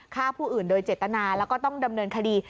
ฆ่าผู้อื่นโดยเจตนาแล้วก็ต้องดำเนินคดี